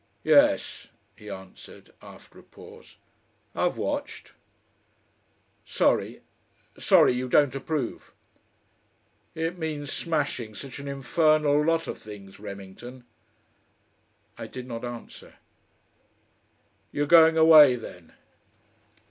"Yes," he answered, after a pause, "I've watched." "Sorry sorry you don't approve." "It means smashing such an infernal lot of things, Remington." I did not answer. "You're going away then?"